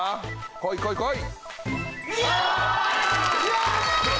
こいこいこい！